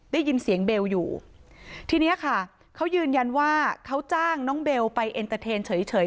ได้ยินเสียงเบลอยู่ทีเนี้ยค่ะเขายืนยันว่าเขาจ้างน้องเบลไปเอ็นเตอร์เทนเฉยเฉย